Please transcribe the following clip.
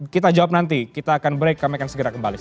kita jawab nanti kita akan break kami akan segera kembali